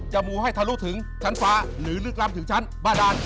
มูให้ทะลุถึงชั้นฟ้าหรือลึกล้ำถึงชั้นบาดาน